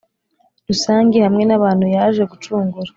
rusange hamwe n’abantu yaje gucungura.